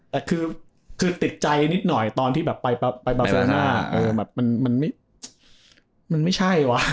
แต่คือติดใจนิดหน่อยตอนที่ไปบาเซอร์น่า